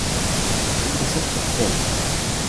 Je voulais sortir seule.